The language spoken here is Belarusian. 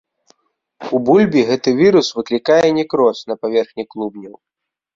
У бульбе гэты вірус выклікае некроз на паверхні клубняў.